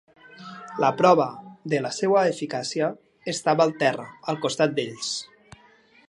La prova de la seva eficàcia estava al terra al costat d'ells.